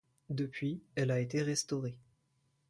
Depuis, elle a été restaurée.